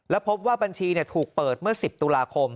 และพบว่าบัญชีถูกเปิดเมื่อ๑๐ตุลาคม